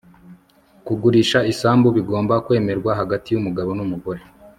kugurisha isambu bigomba kwemerwa hagati y'umugabo n'umugore